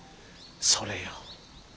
それよ。